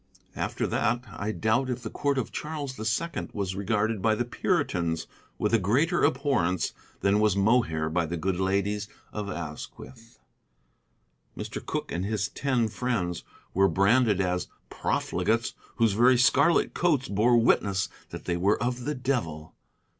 After that, I doubt if the court of Charles the Second was regarded by the Puritans with a greater abhorrence than was Mohair by the good ladies of Asquith. Mr. Cooke and his ten friends were branded as profligates whose very scarlet coats bore witness that they were of the devil.